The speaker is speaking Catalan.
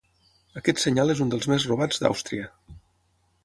Aquest senyal és un dels més robats d'Àustria.